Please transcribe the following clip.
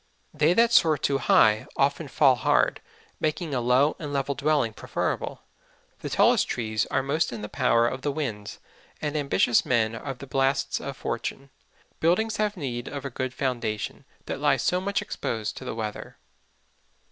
They that soar too high, often fall hard, making a low and level Dwelling preferable. The tallest Trees are most in the Power of the Winds, and Ambitious Men of the Blasts of Fortune. Buildings have need of a good Foundation, that lie so much exposed to the Weather.